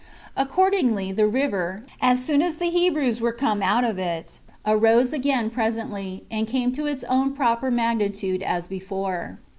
Accordingly the river, as soon as the Hebrews were come out of it, arose again presently, and came to its own proper magnitude as before.